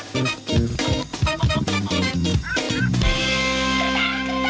ข้าวใส่ไข่สบกว่าเดิมข้าวเวลา